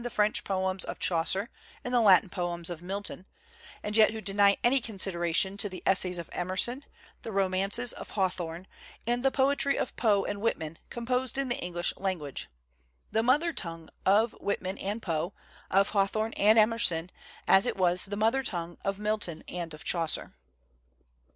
French poems of Chaucer and the Latin poems of Milton, and yet who deny any consideration to the essays of Emerson, the romances of Haw thorne, and the poetry of Poe and Whitman composed in the English language, the mother tongue of Whitman and Poe, of Hawthorne and Emerson, as it was the mother tongue of Milton and of Chaucer.